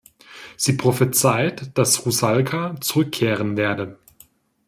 Sie prophezeit, dass Rusalka zurückkehren werde.